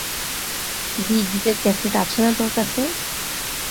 B গিজের cassette আছে না তোর কাছে?